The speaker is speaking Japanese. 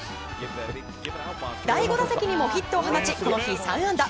第５打席にもヒットを放ちこの日３安打。